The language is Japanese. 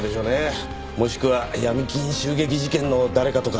もしくは闇金襲撃事件の誰かとか。